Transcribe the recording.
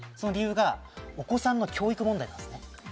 理由はお子さんの教育問題です。